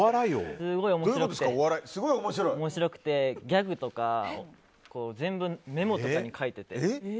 すごい面白くてギャグとかメモとかに書いてて。